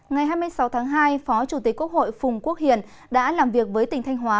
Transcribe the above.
ngày hai mươi sáu tháng hai phó chủ tịch quốc hội phùng quốc hiền đã làm việc với tỉnh thanh hóa